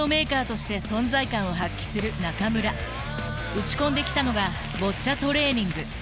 打ち込んできたのがボッチャトレーニング。